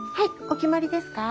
お決まりですか？